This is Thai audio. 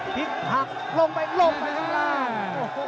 พลิกหักลงไปลงไปล่าง